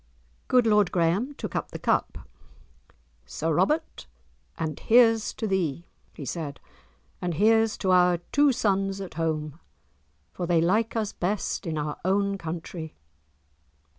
Good Lord Graeme took up the cup. "Sir Robert, and here's to thee!" he said, "and here's to our two sons at home, for they like us best in our own country."